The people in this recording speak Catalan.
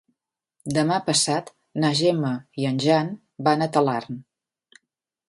Demà passat na Gemma i en Jan van a Talarn.